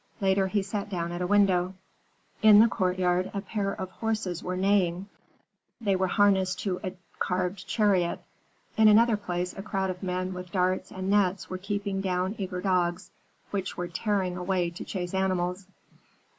Later he sat down at a window. "In the courtyard a pair of horses were neighing; they were harnessed to a carved chariot. In another place a crowd of men with darts and nets were keeping down eager dogs which were tearing away to chase animals.